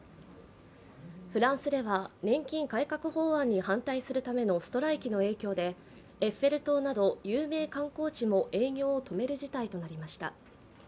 フランスでは年金改革法案に反対するためのストライキの影響でエッフェル塔など有名観光地も営業を止める事態となりました。